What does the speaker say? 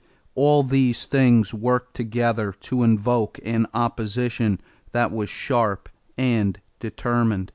All these things worked together to evoke an opposition that was sharp and determined.